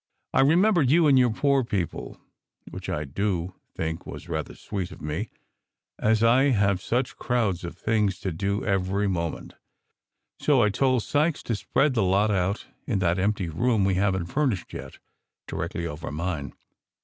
I remembered you and your poor people, which I do think was rather sweet of me, as I have such crowds of things to do every moment; so I told Sykes to spread the lot out in that empty room we haven t furnished yet, di rectly over mine.